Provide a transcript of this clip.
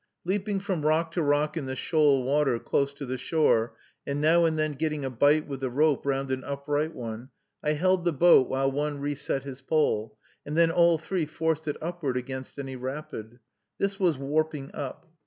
Leaping from rock to rock in the shoal water, close to the shore, and now and then getting a bite with the rope round an upright one, I held the boat while one reset his pole, and then all three forced it upward against any rapid. This was "warping up."